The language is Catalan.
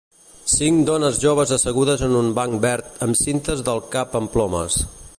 Cinc dones joves assegudes en un banc verd amb cintes del cap amb plomes.